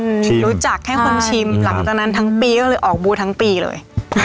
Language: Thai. รู้จักให้คนชิมหลังจากนั้นทั้งปีก็เลยออกบูธทั้งปีเลย